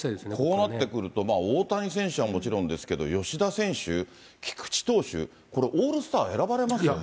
こうなってくると、大谷選手はもちろんですけれども、吉田選手、菊池投手、これ、オールスター選ばれますよね。